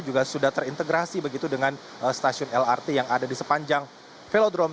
juga sudah terintegrasi begitu dengan stasiun lrt yang ada di sepanjang velodrome